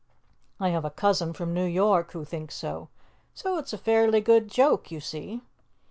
I have a cousin from New York who thinks so. So it's a fairly good joke, you see."